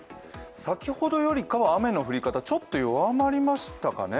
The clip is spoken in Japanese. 先ほどよりかは雨の降り方、ちょっと弱まりましたかね。